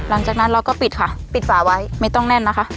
หลังจากนั้นเราก็ปิดค่ะปิดฝาไว้ไม่ต้องแน่นนะคะ